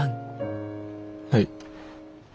はい。